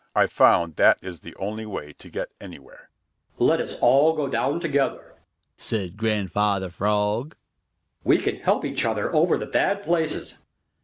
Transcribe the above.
I've found that is the only way to get anywhere." "Let us all go down together" said Grandfather Frog.